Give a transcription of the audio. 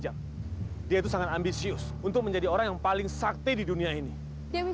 aku sudah tidak bisa melihatmu di bumi lagi nek